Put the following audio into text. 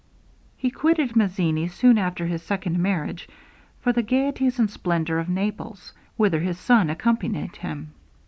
He quitted Mazzini soon after his second marriage, for the gaieties and splendour of Naples, whither his son accompanied him.